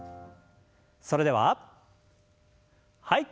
それでははい。